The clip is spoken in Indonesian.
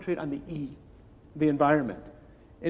mari kita fokus pada e alam sekitar